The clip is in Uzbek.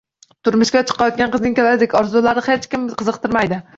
Turmushga chiqayotgan qizning kelajak orzulari hech kimni qiziqtirmaydi